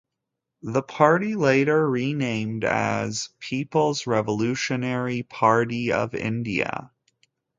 The party later renamed as Peoples Revolutionary Party of India.